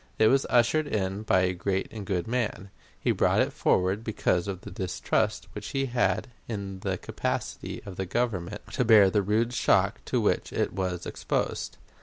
It was ushered in by a great and good man. He brought it forward because of that distrust which he had in the capacity of the Government to bear the rude shock to which it was exposed.